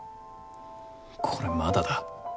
これまだだ。